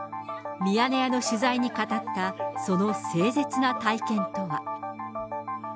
ミヤネ屋の取材に語ったその凄絶な体験とは。